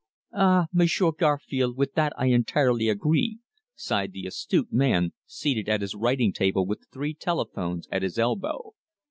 "Ah, M'sieur Garfield, with that I entirely agree," sighed the astute man seated at his writing table with the three telephones at his elbow.